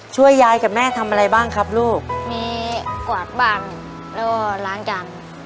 ช่วยยายกับแม่ทำอะไรบ้างครับลูกมีกวาดบังแล้วก็ล้างจาน